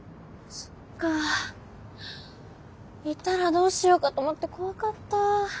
そっかいたらどうしようかと思って怖かった。